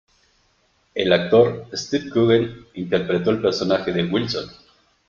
El actor Steve Coogan interpretó el personaje de Wilson.